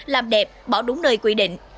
làm đẹp bỏ đúng nơi quy định